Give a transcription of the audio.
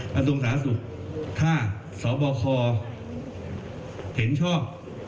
กระทรวงสาธารณสุขถ้าสบคเห็นชอบ